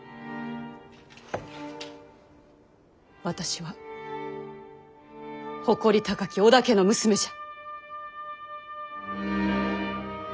私は誇り高き織田家の娘じゃ。